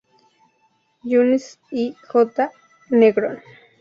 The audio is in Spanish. Jones y J. Negrón.